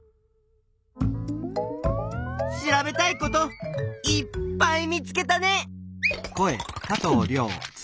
調べたいこといっぱい見つけたね。